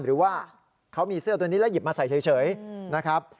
หรือว่าเขามีเสื้อตัวนี้แล้วหยิบมาใส่เฉยนะครับ